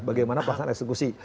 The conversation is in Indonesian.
bagaimana pelaksanaan eksekusi